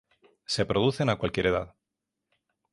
Se producen a cualquier edad.